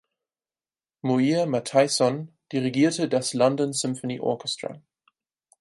Muir Mathieson dirigierte das London Symphony Orchestra.